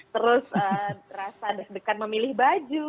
terus rasa deg degan memilih baju